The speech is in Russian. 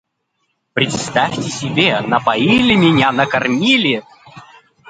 Представьте себе, напоили меня, накормили.